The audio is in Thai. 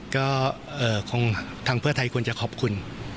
ก็คงทางเพื่อไทยควรจะขอบคุณ